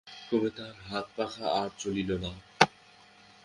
ক্রমে তাহার হাতপাখা আর চলিল না।